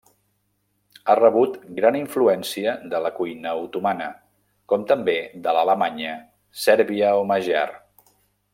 Ha rebut gran influència de la cuina otomana, com també de l'alemanya, sèrbia o magiar.